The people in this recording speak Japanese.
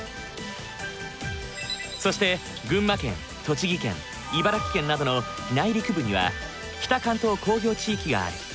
そして群馬県栃木県茨城県などの内陸部には北関東工業地域がある。